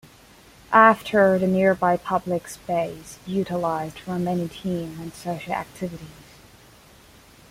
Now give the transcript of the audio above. After the nearby public space utilised for many team and social activities.